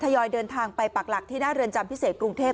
ยอยเดินทางไปปักหลักที่หน้าเรือนจำพิเศษกรุงเทพ